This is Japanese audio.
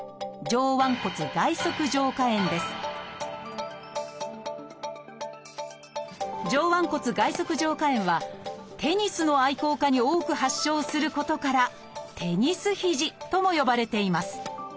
上腕骨外側上顆炎はテニスの愛好家に多く発症することから「テニス肘」とも呼ばれています。